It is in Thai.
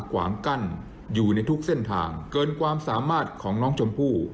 ขวางกั้นอยู่ในทุกเส้นทางเกินความสามารถของน้องชมพู่